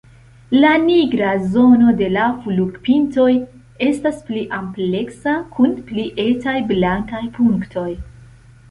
La nigra zono de la flugilpintoj estas pli ampleksa kun pli etaj blankaj punktoj.